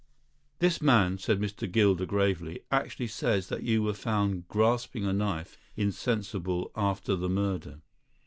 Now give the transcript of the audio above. "This man," said Mr. Gilder gravely, "actually says that you were found grasping a knife, insensible, after the murder."